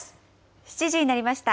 ７時になりました。